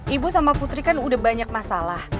ibu sama putri kan udah banyak masalah